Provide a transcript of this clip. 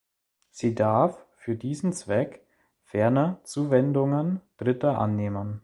Sie darf für diesen Zweck ferner Zuwendungen Dritter annehmen.